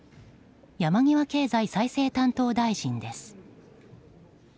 山際経済再生担当大臣です。